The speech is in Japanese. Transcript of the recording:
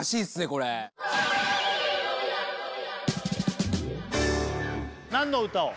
これ何の歌を？